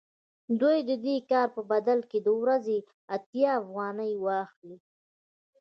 دوی د دې کار په بدل کې د ورځې اتیا افغانۍ واخلي